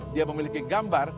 dia memiliki gambar